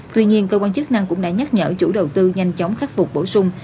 tuy nhiên cơ quan chức năng cũng đã nhắc nhở chủ đầu tư nhanh chóng khắc phục bổ sung